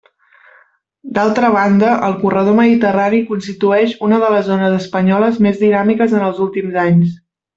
D'altra banda, el corredor mediterrani constituïx una de les zones espanyoles més dinàmiques en els últims anys.